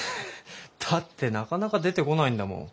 だってなかなか出てこないんだもん。